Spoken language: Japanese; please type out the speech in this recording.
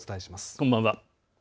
こんばんは。